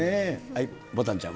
ぼたんちゃんは？